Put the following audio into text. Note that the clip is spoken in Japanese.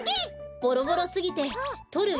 ボロボロすぎてとるい